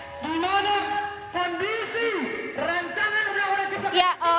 dimana kondisi rencana yang sudah kita ketahui